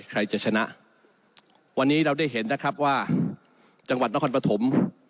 ใครจะชนะวันนี้เราได้เห็นนะครับว่าจังหวัดนครปฐม